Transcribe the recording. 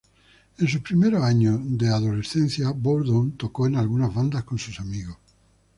En sus primeros años de adolescencia, Bourdon tocó en algunas bandas con sus amigos.